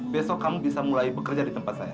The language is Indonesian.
besok kamu bisa mulai bekerja di tempat saya